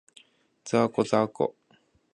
ざーこ、ざーこ